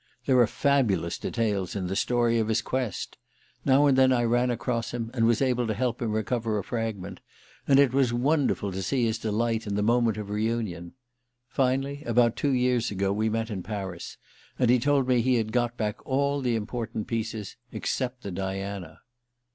There are fabulous details in the story of his quest. Now and then I ran across him, and was able to help him recover a fragment; and it was wonderful to see his delight in the moment of reunion. Finally, about two years ago, we met in Paris, and he told me he had got back all the important pieces except the Diana.